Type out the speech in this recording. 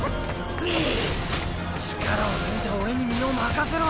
力を抜いて俺に身を任せろ。